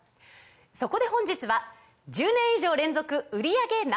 そこで本日は１０年以上連続売り上げＮｏ．１